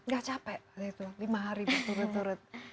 gak capek lima hari berturut turut